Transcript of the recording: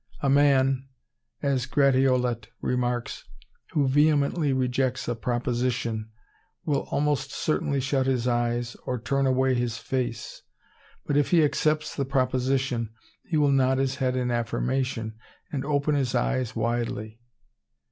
A man, as Gratiolet remarks, who vehemently rejects a proposition, will almost certainly shut his eyes or turn away his face; but if he accepts the proposition, he will nod his head in affirmation and open his eyes widely.